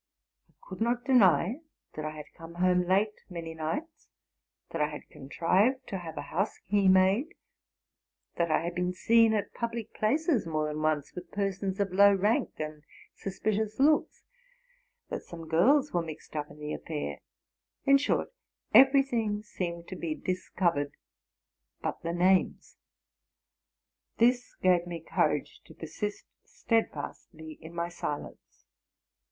I could not deny that I had come home late many nights, that I had contrived to have a house key made, that I had been seen at public places more than once with persons of low rank and suspicious looks, that some girls were mixed up in the affair, —in short, every thing seemed to be discovered but the names. This gave me courage to persist steadfastly in my silence.